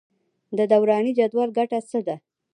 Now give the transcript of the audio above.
د دوراني جدول ګټه څه ده.